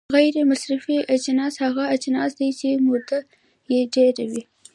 غیر مصرفي اجناس هغه اجناس دي چې موده یې ډیره وي.